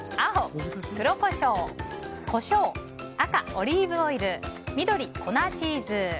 青、コショウ赤、オリーブオイル緑、粉チーズ。